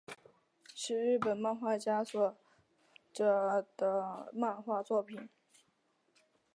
是日本漫画家所着的漫画作品。